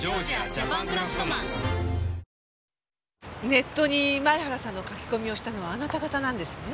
ネットに前原さんの書き込みをしたのはあなた方なんですね？